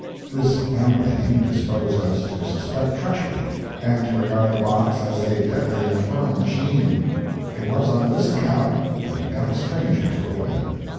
This handwriting disposed us to suspect treachery, and to regard the box as a deadly infernal machine. It was on this account that we got a stranger to open it.